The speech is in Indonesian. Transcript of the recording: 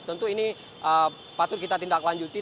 tentu ini patut kita tindak lanjuti